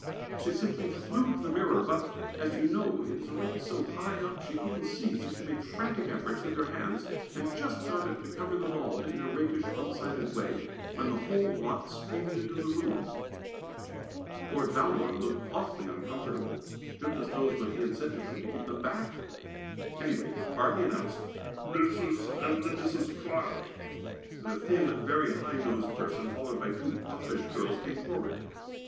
She simply flew to the mirror, but, as you know, it is away so high up she couldn't see, so she made frantic efforts with her hands, and just got it to cover the bald, in a rakish, one sided way, when the whole lot streamed into the room. Lord Valmond looked awfully uncomfortable. Goodness knows what he had said to them to keep them back! Anyway, Harvey announced "Mrs. and the Misses Clarke," and a thin, very high nosed person, followed by two buffish girls, came forward.